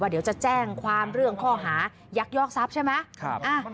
เดี๋ยวจะแจ้งความเรื่องข้อหายักยอกทรัพย์ใช่ไหม